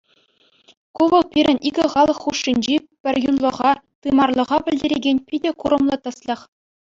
Ку вӑл пирӗн икӗ халӑх хушшинчи пӗрюнлӑха, тымарлӑха пӗлтерекен питӗ курӑмлӑ тӗслӗх.